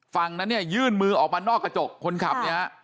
ฝั่งนั้นเนี่ยยื่นมือออกมานอกกระจกคนขับเนี่ยฮะ